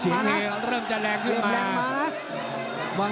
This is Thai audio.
เสียงเฮเริ่มจะแรงขึ้นมา